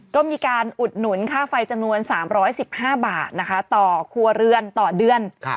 ก็มีการอุดหนุนค่าไฟจำนวน๓๑๕บาทนะคะต่อครัวเรือนต่อเดือน